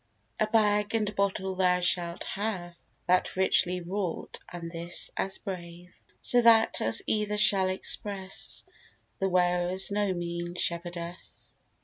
A bag and bottle thou shalt have, That richly wrought, and this as brave; So that as either shall express The wearer's no mean shepherdess.